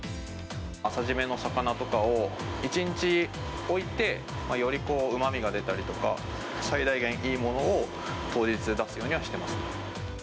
朝締めの魚とかを１日置いて、よりうまみが出たりとか、最大限いいものを当日、出すようにはしてます。